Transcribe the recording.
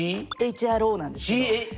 ＨＲＯなんですけど。